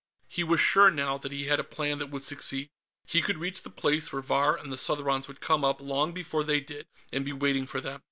He was sure, now, that he had a plan that would succeed. He could reach the place where Vahr and the Southrons would come up long before they did, and be waiting for them.